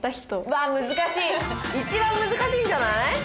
わあ難しい一番難しいんじゃない？